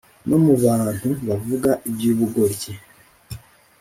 no mu bantu bavuga iby’ubugoryi